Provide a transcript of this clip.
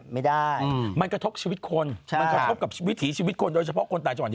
มันกระทบกับวิถีชีวิตคนโดยเฉพาะคนตายจน